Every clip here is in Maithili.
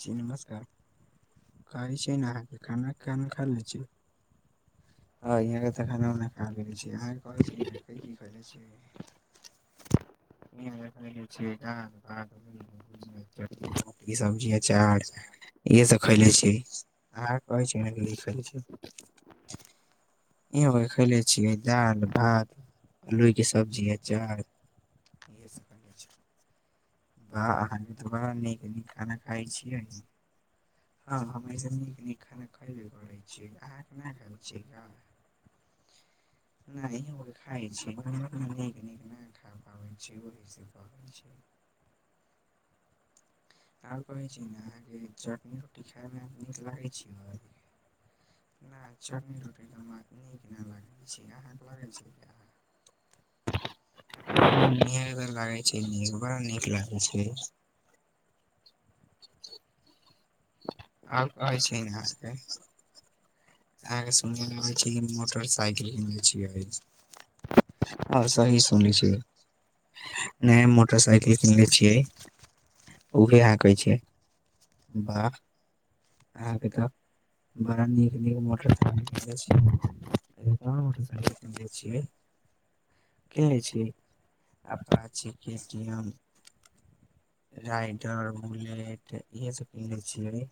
जी नमस्कार कहै छी ने अहाँके खाना खाना खा लेने छी। हँ यहाँके तऽ खाना उना खा लेलेे छी अहाँके कहै छी ने की की खैले छि। [inaudible] दाल भात सब्जी अचार। इहे सब खैले छी अहाँ कहै छी ने की की खैले छी? इहो खयलै छियै दालि, भात, आलूके सब्जी, अचार। इहे सब खैले छी। वाह अहाँके त बड़ा नीक नीक खाना खाइ छियै। हँ हम एहिसँ नीक नीक खाना खयबे करैय छी अहाँ की ना खाय छियै गऽ। [unintelligible] खाय छी [unintelligible] और कहैय छी ने अहाँके चटनी रोटी खायमे नीक लागैय छीयैय। नइ चटनी रोटी तऽ हमरा नीक ना लागै छीये अहाँके लगैय छीये का? [inaudible] लागैय छै बड़ा नीक लागे छै। और कहै छी ने अहाँ के अहाँ के सुनैमे आबय छै कि मोटरसाइकिल किनने छियै। हँ सही सुनै छि। नया मोटरसाइकिल कीनने छियैय? उभी अहाँ कहैय छीये वाह। आहाँके त बड़ा नीक निक मोटरसाइकिल किनले छियै। त कोन मोटरसाइकिल किनले छियै? किलै छीये आपचि K T M. Rider bullet इहेसब किलनेै छियै।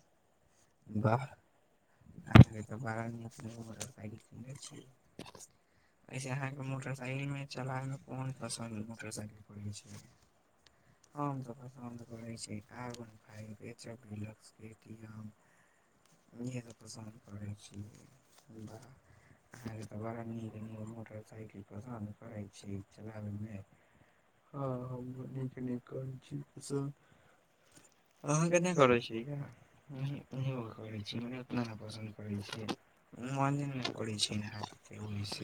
वाह। अहाँकेँ तऽ बड़ा नीक नीक मोटरसाइकिल किनने छियै। एहिसे अहाँके मोटरसाइकिलमे चलाबयमे कोन पसन्द मोटरसाइकिल करैय छीयेय। हमम तऽ पसन्द करै छी आर वन फाइव, एचफडिलक्स, के टी एम। [unintelligible] पसन्द करै छी, वाह। अहाँके तऽ बड़ा नीक नीक मोटरसाइकिल पसन्द करड़ै छी चलाबयमे। हँ हम नीक नीक करैय छी पसंद। अहाँ के नहि करै छी का? उहू [unintelligible] करै छी [unintelligible] नहि पसन्द नहि। करै छै मने नहि करै छै नहा के ओहिसे।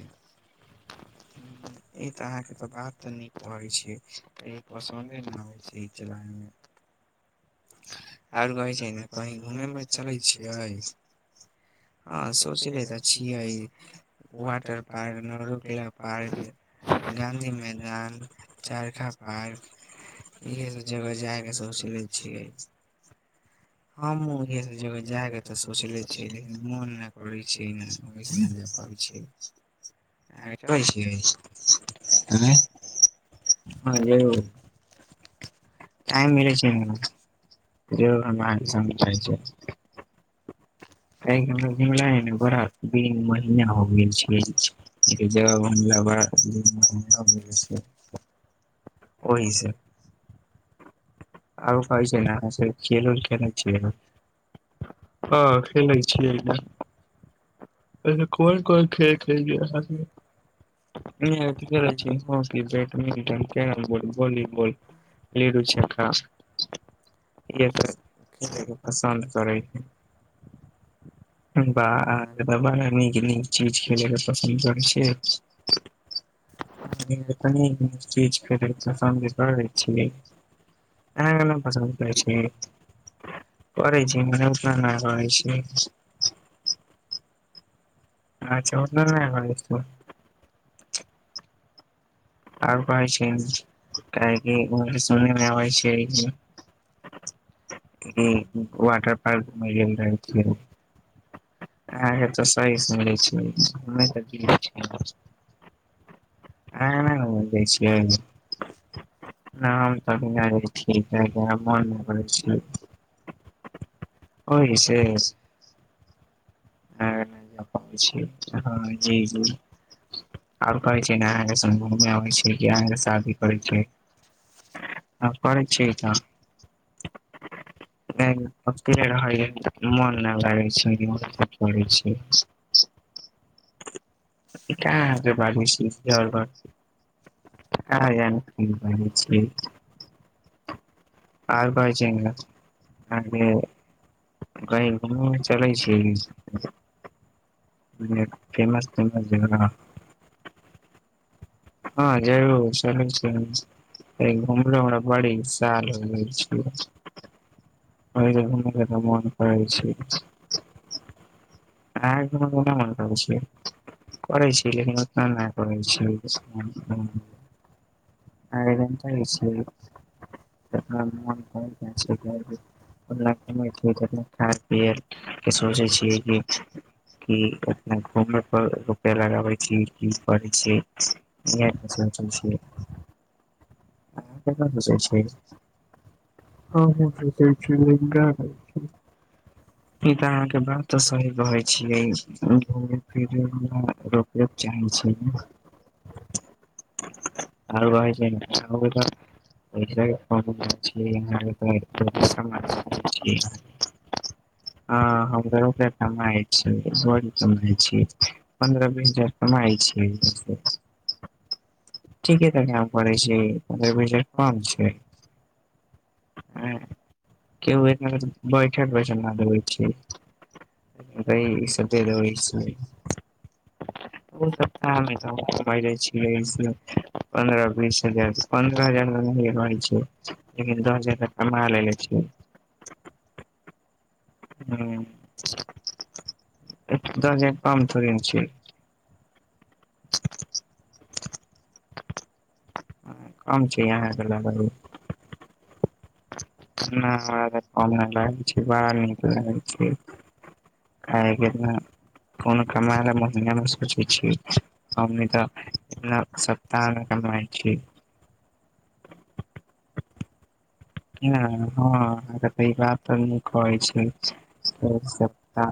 ई तऽ अहाँके तऽ बात तऽ नीक करै छियै पसन्दे नेै [unintelligible] छै ई [unintelligible] और कहै छै ने कहीँ घूमै उमै चलै छियैय। हँ सोचले तऽ छियै वाटर पार्क नरुकला पार्क गांधी मैदान चारखा पार्क इहे सब जगह जायला सोचले छियै। हम उहे सब जगह जाय के तऽ सोचले छियै लेकिन मोन नहि करै [unintelligible] छै। [inaudible] आर चलै छियै आँय। हँ यौ। टाइम मिलै छैय [unintelligible] [unintelligible] [unintelligible] ओहि से। आओ कहइ छैय ने [unintelligible] हँ। खेलै छियैने एसे कोन कोन खेल खेलै अहाँके। इ तऽ खेलै छी hockey badminton carrom board volleyball. लिडू छक्का। इएह सभ खेलयके पसन्द करै है। बा अहाँ तऽ बरा नीक नीक चीज खेलैके पसन्द करै छिये। [unintelligible] अहाँ एना पसन्द करै छी। करै छी मने उतना नहि करै छी। अच्छा उतना नहि करै छी। आर कहैत छैय ने काहेकि वहाँके सुनयमे अबैत छैय जे हूँ वाटर पार्क मे गेल रहैत फेरो। हँ हे तऽ सहै [unintelligible] आहाँ एना घूमय लऽ जाइ छियै। नहि हम तऽ अभी नहि जाइ छी कियकि हमरा मन नहि करै छैय। ओहि से। अहाँयर नहि जा पाबै छयै हँ जी जी। आब कहै छैय ने अहाँके समझमे अबै छैयकि अहाँके शादी करै छैय। तपल छैय एकरामे। नहि मन नहि लागै छैय कर छैय। ईका अहाँके बाजै छी घर घर। आंय एहने की बाजै छियै। आर को छै ने अहाँ जे कहीं घूमयमे चलै छि। फेमस टेंपल जगननाथ हँ जरूर चलै छैय घुमलो हमरा बड़ी साल भऽ गेलै छैय। ओहि घुमले के मन कर छैय। हँ एकद ब मन करै छिय। करै छी लेकिन ओतना नहि करै छी। आधे घंटा हो छैय। सरकार [unintelligible] इ सोचै छियै कि। अपना घूमे पर रुपया लगाबे छी कि करै छीयै। हीयाँके सोचै छीयै। अहाँ ककरा सोचै छियै। हमहूँ सोचै छीयै लेकिन कहाँ करै छीयै। ई तऽ अहाँके बात तऽ सही कहैय छियै घूम फिरै रोकैके चाहै छियै ने। आओर वहइ छै ने। [unintelligible] हँ हमरो के कमाइ छीयै एसगरे कमाइ छीयै। पन्द्रह बीस हजार कमाइ छीयै [unintelligible] ठीके तऽ काम करै छीयै पन्द्रह बीस हजार कम छै। एँ केहु इतना तऽ बैठल बैठल नहि देबै छियै। [unintelligible] दही इ सब दे देबै छियै। अहू सप्ताहमे तऽ हम कमयले छियै से पन्द्रह बीस हे हजार पन्द्रह हजार एनहिए कहै छै लेकिन दस हजार तक कमा लेने छियै। हूँ [unintelligible] दस हजार कम थोड़ा ने छीयै। [unintelligible] कम छै अहाँकऽ लगलए। नहि हमरा त कम नहि लगै छै बड़ा नीक लागै छीयै। [unintelligible] कइ जेना कोनो कमाय लेए महीनामे सोचै छियै। हमनि तऽ इतना सप्ताहमे कमाइ छी। [inaudible] हँ हँ ई बात अहाँकऽ तऽ इ बात तऽ नीक कहै छी सप्ताह।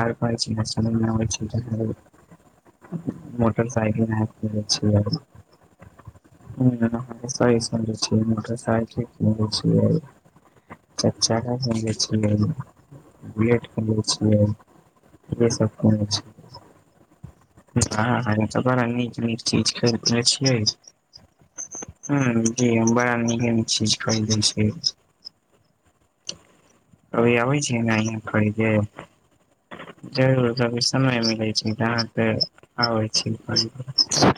आओर कहै छी न सुनै मे आबै छै कि [unintelligible] मोटरसइकिल अहाँका किनले छीयै। हूँ अहाँके सही सुनले छी मोटरसाइकिल किनले छियै। [unintelligible] चारिचक्का कीन ले छियै बुलेट कीन ले छियै। इहसभ किनले छियै। [unintelligible] बाह अहाँके तऽ बड़ा नीक नीक चीज किनले छियै। [unintelligible] हूँ जी हम बड़ा नीक नीक चीज खरीदै छीयै। अभी अबै छियै एनाहिए खरीदे। जरूर जभी समय मिलै छै जहाँ तऽ आबै छी खरीदे। [unintelligible]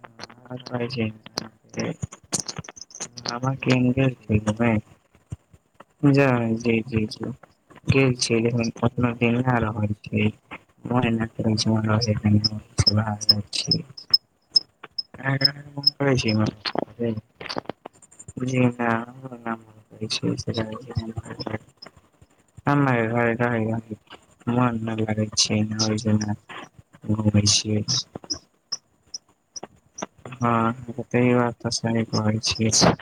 हँ आओर कहय छै ने अहाँके? मामा के यहाँ गेल छियै घुमे। जाय जी-जी-जी गेल छियै लेकिन ओतनो दिन ना रहल छियै। मोने ना करै छै वहाँ रहयके ओहीसँ भाग रहल छियै। [unintelligible] अहाँके अहाँके मोन करै छी एना मस्ती करै। जी नहि हमरो नै मोन करै छै ऐसे रहे [unintelligible] अम्मा के घरे रहए रहए। मन नहि लागै छै नहि ओहि जेना घूमै छियै। [unintelligible] हँ बतैयो आब [unintelligible] तऽ सही कहय छियै।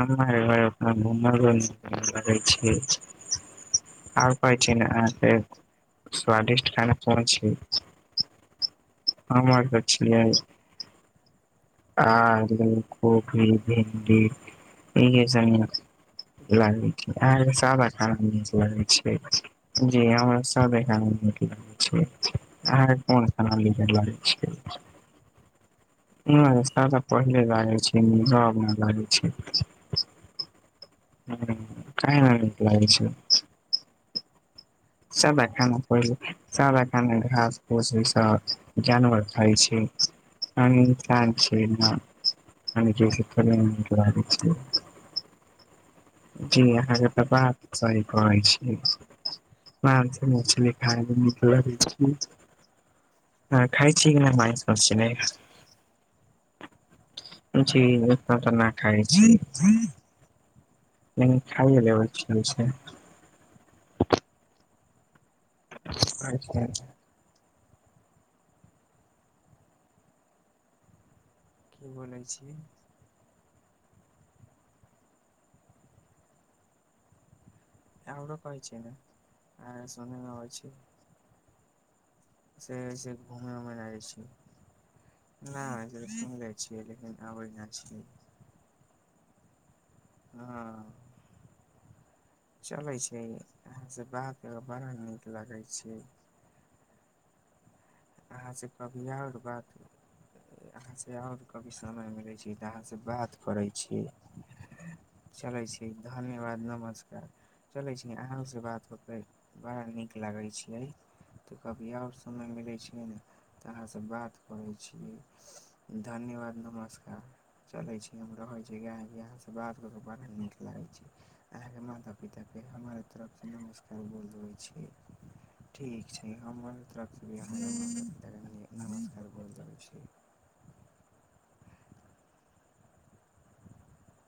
अम्मा के घर घुम लै छीयै। [unintelligible] आओर कहै छीय ने अहाँके स्वादिष्ट खाना कोन छै। [unintelligible] हमर तऽ छियै। [unintelligible] आलू कोबी भिंडी ईहे सभ नीक [unintelligible] लागै छै अहाँके सादा खाना नीक लागैत छै जी हमरा सादा खाना न। [unintelligible] लागै छै अहाँके कोन खाना नीक लगै छै। [unintelligible] नहि सादा पहिले लागे छै आब न लागै छै। हूँ कहै नऽ नीक लगै छै। [unintelligible] सब खाना पड़ी सब एान घास भूस ईस जानवर खाइ छै। आ [unintelligible] छै कन से थोड़े नीक लागै छै। जी अहाँके तऽ बात त कहै छी। आरामसँ मछली खायमे नीक लगै छै ह खा छीिय मा मसिलै जी उना तऽ नहि खाय छी। नहि खाइए लेब से आओर कहमे की बोलै छि रो कहै छै ने आ सुनमे होइ छै। फै छै घूमय उमय लए जाइ छियै। नहि जे तऽ सुनि लै छियै लेकिन आबै नहि छै। हँ चलै छै अहाँसँ बात ह बड़ा नीक लगैत छै। अहाँसँ कहबै आ आओर बात अहाँसँ आओर कभी समय मिलै छै तऽ अहाँसँ बात करै छी चलै छी धन्यवाद नमस्कार चलै छी अहाँसँ बात कऽतै बड़ा नीक लगै छियै तऽ कभिया आओर समय मिले छै हूँ तऽ अहाँसँ बात करै छियै धन्यवाद नमस्कार चलै छी हम रहै छी गाहके यहाँसँ बात कऽ क बड़ा नीक लागै छै अहाँके माता पिताके हमर नमस्कार बोल दे छी हमर तरफ से भी माता पिताके नमस्कार बोलि देबै छी [inaudible]